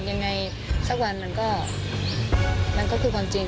ยังไงสักวันมันก็มันก็คือความจริง